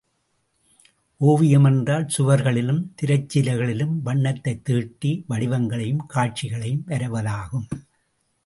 ஓவியம் என்றால் சுவர்களிலும், திரைச்சீலைகளிலும் வண்ணத்தைத் தீட்டி, வடிவங்களையும் காட்சிகளையும் வரைவதாகும்.